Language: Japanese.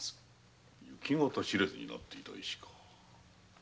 行方知れずになっていた絵師か。